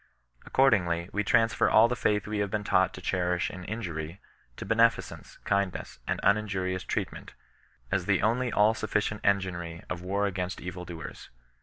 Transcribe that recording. Accordingly we transfer all the fttith we have been taught to cherish in injuiry, to beneficence, kindness, and uninjurious treat ment, as the only all sufficient enginery of war against enL doers.